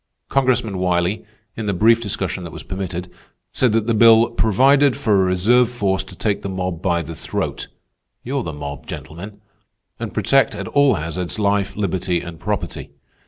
Congressman Wiley, in the brief discussion that was permitted, said that the bill 'provided for a reserve force to take the mob by the throat'—you're the mob, gentlemen—'and protect at all hazards life, liberty, and property.